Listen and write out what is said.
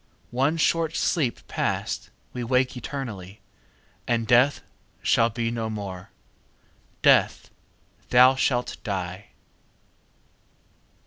One short sleep past, we wake eternally, And Death shall be no more: Death, thou shalt die!